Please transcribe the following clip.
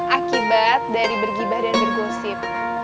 akibat dari bergibah dan bergosif